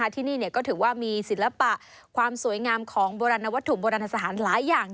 ที่นี่ก็ถือว่ามีศิลปะความสวยงามของโบราณวัตถุโบราณสถานหลายอย่าง